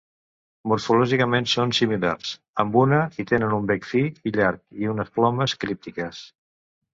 Morfològicament, són similars, amb una i tenen un bec fi i llarg i unes plomes críptiques.